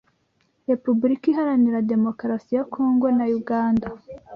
Repubulika Iharanira Demukarasi ya Kongo na Uganda